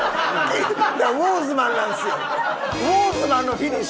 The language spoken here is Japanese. だからウォーズマンなんですよ。